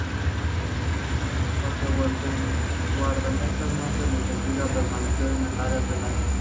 A los guardametas no se les obliga a permanecer en el área penal.